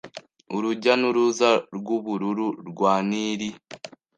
Urujya n'uruza rw'ubururu rwa Nili